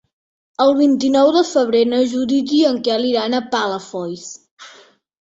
El vint-i-nou de febrer na Judit i en Quel iran a Palafolls.